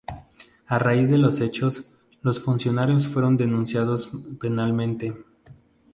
A raíz de los hechos, los funcionarios fueron denunciados penalmente.